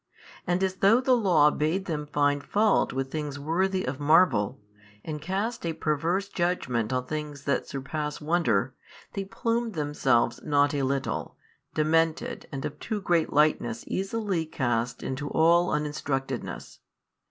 And as though the Law bade them find fault with things worthy of marvel, and cast a perverse judgment on things that surpass wonder, they plume themselves not a little, demented and of too great lightness easily cast into all uninstructedness.